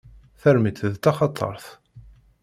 Tarmit d taxatart.